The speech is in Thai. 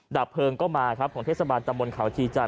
ดับเพลิงก็มาครับของเทศบาลตำบลเขาชีจันท